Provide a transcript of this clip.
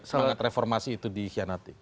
mengat reformasi itu dikhianati